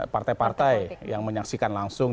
partai partai yang menyaksikan langsung